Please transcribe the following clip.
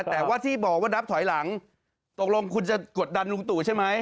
แต่ว่าที่บอกว่านับถอยหลังตกลงคุณจะกดดันลุงตู่ใช่ไหม